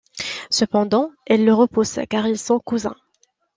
Cependant, elle le repousse, car ils sont cousins.